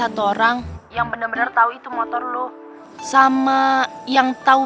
itu memang karakter kamu